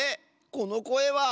このこえは。